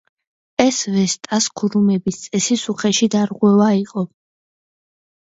ეს ვესტას ქურუმების წესის უხეში დარღვევა იყო.